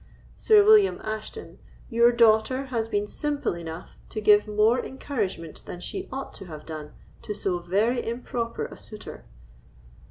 Sir William Ashton, your daughter has been simple enough to give more encouragement than she ought to have done to so very improper a suitor."